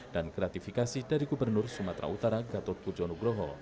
dan kreatifikasi dari gubernur sumatera utara gatot kujo nugroho